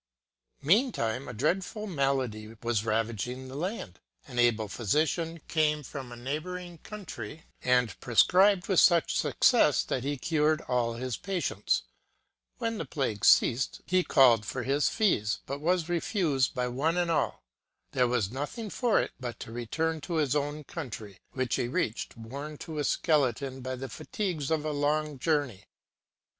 Meantime a dreadful malady was ravaging the land. An able physician came from a neighboring country, and pre scribed with such success that he cured all his patients. When the plague ceased, he called for his fees, but was re fused by one and all. There was nothing for it but to return to his own country, which he reached worn to a skeleton by the fatigues of a long journey.